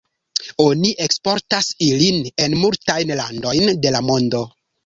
Oni eksportas ilin en multajn landojn de la mondo.